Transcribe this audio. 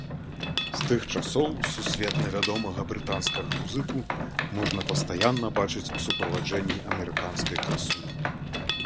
З тых часоў сусветна вядомага брытанскага музыку можна пастаянна бачыць у суправаджэнні амерыканскай красуні.